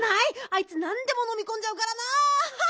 あいつなんでものみこんじゃうからな！